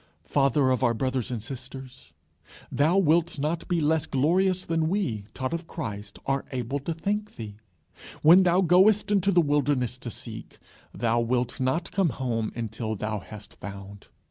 Father of our brothers and sisters! thou wilt not be less glorious than we, taught of Christ, are able to think thee. When thou goest into the wilderness to seek, thou wilt not come home until thou hast found.